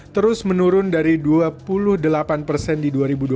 terus menurun dari dua puluh delapan persen di dua ribu dua puluh satu